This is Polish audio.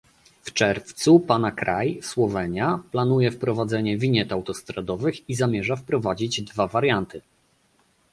W czerwcu pana kraj, Słowenia, planuje wprowadzenie winiet autostradowych i zamierza wprowadzić dwa warianty